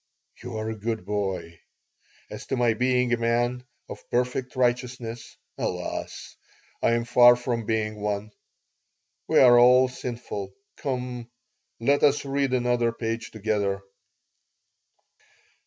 "You are a good boy. As to my being a man of perfect righteousness, alas! I am far from being one. We are all sinful. Come, let us read another page together."